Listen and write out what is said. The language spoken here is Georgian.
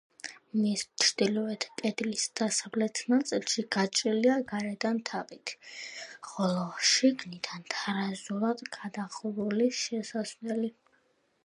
მის ჩრდილოეთ კედლის დასავლეთ ნაწილში გაჭრილია გარედან თაღით, ხოლო შიგნიდან თარაზულად გადახურული შესასვლელი.